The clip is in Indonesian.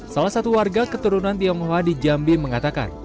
salah satu warga keturunan tionghoa di jambi mengatakan